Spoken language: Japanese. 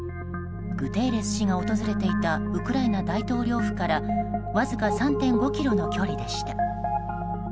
グテーレス氏が訪れていたウクライナ大統領府からわずか３．５ｋｍの距離でした。